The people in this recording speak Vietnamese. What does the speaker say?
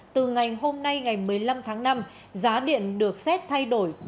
từ ngày hôm nay ngày một mươi năm tháng năm giá điện được xét thay đổi